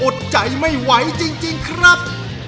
อดใจไม่ไหวจริงครับ